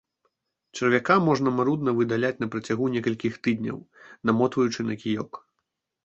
Чарвяка можна марудна выдаляць на працягу некалькіх тыдняў, намотваючы на кіёк.